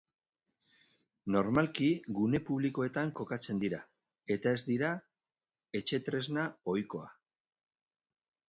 Normalki gune publikoetan kokatzen dira, eta ez dira etxe-tresna ohikoa.